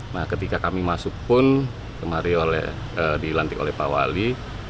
setelah kami masuk pun kemari dilantik oleh pak wali